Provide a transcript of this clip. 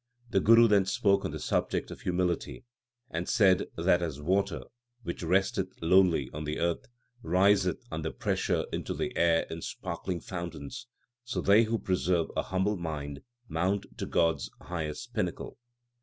The Guru then spoke on the subject of humility, and said that as water, which resteth lowly on the earth, riseth under pressure into the air in sparkling fountains, so they who preserve a humble mind mount to God s highest pinnacle.